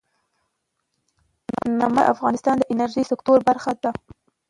نمک د افغانستان د انرژۍ سکتور برخه ده.